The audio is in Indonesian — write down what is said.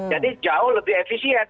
jadi jauh lebih efisien